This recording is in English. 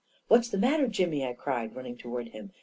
"What's the matter, Jimmy?" I cried, running toward him.